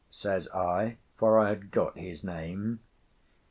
says I, for I had got his name.